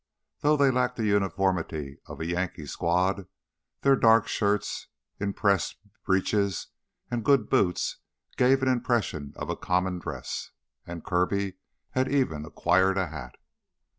Though they lacked the uniformity of a Yankee squad, their dark shirts, "impressed" breeches, and good boots gave an impression of a common dress, and Kirby had even acquired a hat.